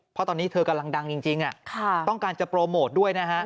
เพราะตอนนี้เธอกำลังดังจริงต้องการจะโปรโมทด้วยนะฮะ